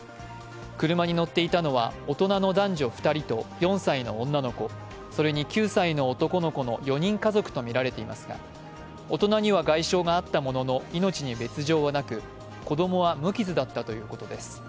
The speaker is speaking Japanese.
車に乗っていたのは大人の男女２人と４歳の女の子、それに９歳の男の子の４人家族とみられていますが、大人には外傷があったものの命に別状はなく子供は無傷だったということです。